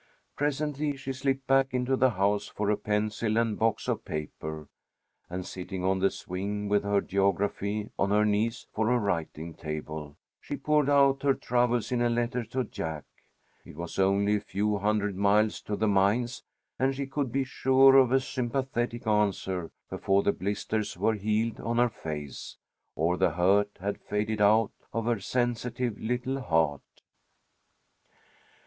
Presently she slipped back into the house for a pencil and box of paper, and sitting on the swing with her geography on her knees for a writing table, she poured out her troubles in a letter to Jack. It was only a few hundred miles to the mines, and she could be sure of a sympathetic answer before the blisters were healed on her face, or the hurt had faded out of her sensitive little heart.